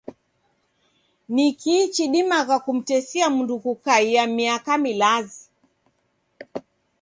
Ni kii chidimagha kumtesia mndu kukaia miaka milazi?